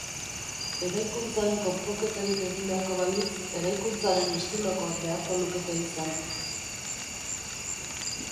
Eraikuntzan konponketarik egin beharko balitz, eraikuntzaren estilokoak beharko lukete izan.